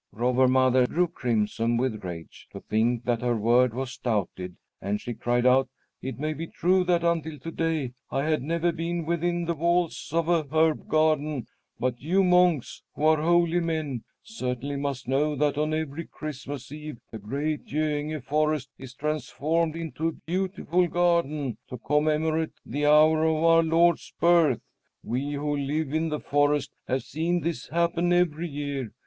Robber Mother grew crimson with rage to think that her word was doubted, and she cried out: "It may be true that until to day I had never been within the walls of an herb garden; but you monks, who are holy men, certainly must know that on every Christmas Eve the great Göinge forest is transformed into a beautiful garden, to commemorate the hour of our Lord's birth. We who live in the forest have seen this happen every year.